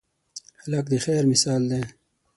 هلک د خیر مثال دی.